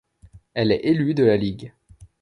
Elle est élue de la ligue.